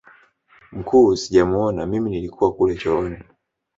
mkuu sijamuona mimi nilikuwa kule chooni